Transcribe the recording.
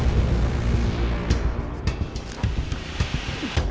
randy kira kira sampai sini gak